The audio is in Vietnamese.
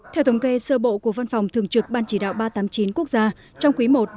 theo thống kê sơ bộ của văn phòng thường trực ban chỉ đạo ba trăm tám mươi chín quốc gia trong quý i